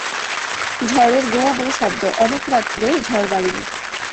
ঝড়ের গোঁ গো শব্দ, অনেক রাত্রে ঝড় বাড়িল।